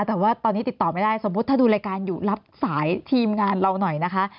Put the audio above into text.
แต่ว่าตอนนี้ติดต่อไม่ได้สมมุติถ้าดูรายการอยู่รับสายทีมงานเราหน่อยนะคะ